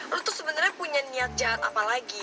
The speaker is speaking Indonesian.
lo tuh sebenernya punya niat jahat apa lagi